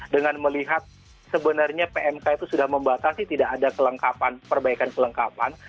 dengan melihat sebenarnya pmk itu sudah membatasi tidak ada kelengkapan perbaikan kelengkapan